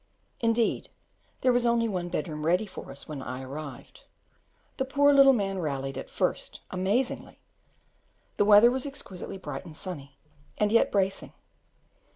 Indeed, there was only one bedroom ready for us when I arrived. The poor little man rallied at first amazingly; the weather was exquisitely bright and sunny, and yet bracing.